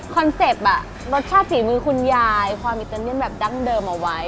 เซ็ปต์รสชาติฝีมือคุณยายความอิตาเนียนแบบดั้งเดิมเอาไว้